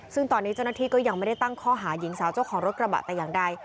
ซึ่งตอนนี้เจ้าหน้าที่ก็ยังไม่ได้ตั้งข้อหาหญิงสาวเจ้าของรถกระบะแต่อย่างใด